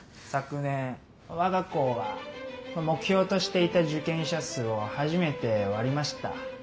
昨年我が校は目標としていた受験者数を初めて割りました。